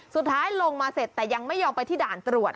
สุดท้ายลงมาเสร็จแต่ยังไม่ยอมไปที่ด่านตรวจ